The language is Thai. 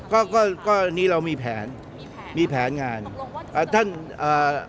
ก็ก็ก็นี่เรามีแผนมีแผนมีแผนงานอ่าท่านอ่าท่าน